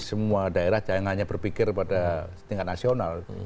semua daerah jangan hanya berpikir pada tingkat nasional